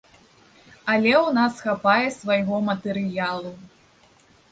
Але ў нас хапае свайго матэрыялу.